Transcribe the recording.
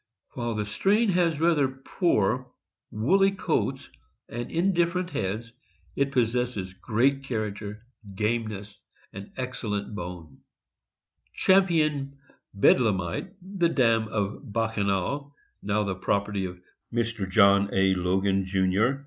While the strain has rather 382 THE AMERICAN BOOK OF THE DOG. poor, woolly coats and indifferent heads, it possesses great character, gameness, and excellent bone. Champion Bedlamite, the dam of Bacchanal, now the property of Mr. John A. Logan, Jr.